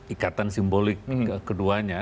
ikatan simbolik keduanya